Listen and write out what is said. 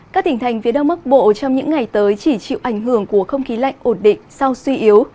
các tỉnh thành phía đông bắc bộ trong những ngày tới chỉ chịu ảnh hưởng của không khí lạnh ổn định sau suy yếu